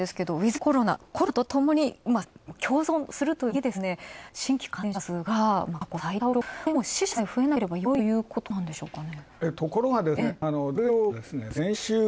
ウィズコロナ、コロナとともに共存するとはいえ、新規感染者が過去最多を記録する、これ死者さえ増えなければよいということなんでしょうかね？